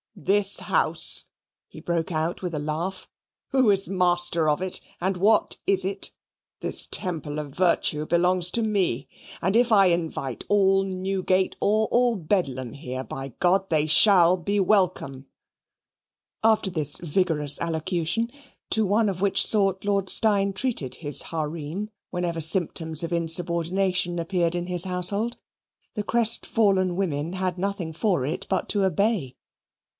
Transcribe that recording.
This house?" He broke out with a laugh. "Who is the master of it? and what is it? This Temple of Virtue belongs to me. And if I invite all Newgate or all Bedlam here, by they shall be welcome." After this vigorous allocution, to one of which sort Lord Steyne treated his "Hareem" whenever symptoms of insubordination appeared in his household, the crestfallen women had nothing for it but to obey.